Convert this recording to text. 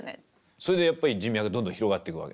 それでやっぱり人脈どんどん広がっていくわけ？